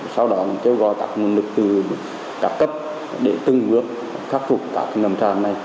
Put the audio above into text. sau đó kêu gọi các nguồn lực từ các cấp để từng bước khắc phục các ngầm tràn này